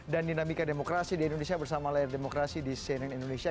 dan dinamika demokrasi di indonesia bersama layar demokrasi di cnn indonesia